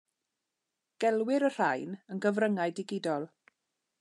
Gelwir y rhain yn gyfryngau digidol.